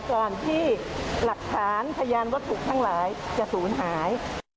ก่อนที่หลักฐานพยานวัตถุทั้งหลายจะศูนย์หาย